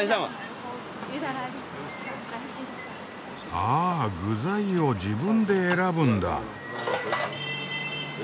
ああ具材を自分で選ぶんだ！